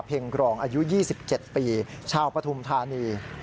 กรองอายุ๒๗ปีชาวปฐุมธานี